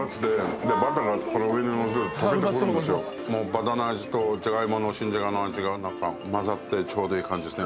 バターの味と新じゃがの味が混ざってちょうどいい感じですね。